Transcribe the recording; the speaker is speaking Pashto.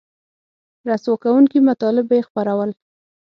رسوا کوونکي مطالب به یې خپرول